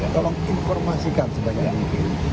tolong informasikan sebanyak mungkin